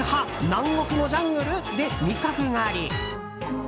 南国のジャングル？で味覚狩り。